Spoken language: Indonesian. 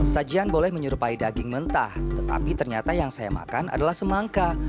sajian boleh menyerupai daging mentah tetapi ternyata yang saya makan adalah semangka